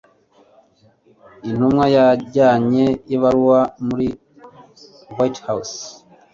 Intumwa yajyanye ibaruwa muri White House.